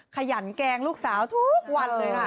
ขยันแกล้งลูกสาวทุกวันเลยค่ะ